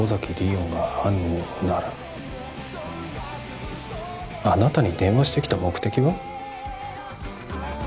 桜が犯人ならあなたに電話してきた目的は？